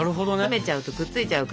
冷めちゃうとくっついちゃうから。